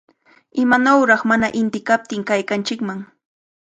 ¡Imanawraq mana inti kaptin kaykanchikman!